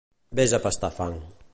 Ves a pastar fang.